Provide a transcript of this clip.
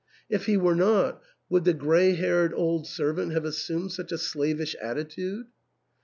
If he were not, would the grey haired old servant have assumed such a slav ish attitude